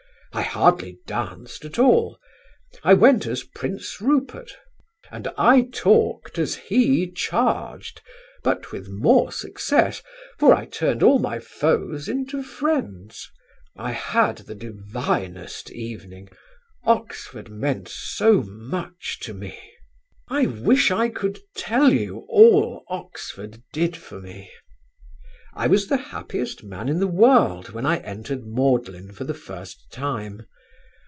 I hardly danced at all. I went as Prince Rupert, and I talked as he charged but with more success, for I turned all my foes into friends. I had the divinest evening; Oxford meant so much to me.... "I wish I could tell you all Oxford did for me. "I was the happiest man in the world when I entered Magdalen for the first time.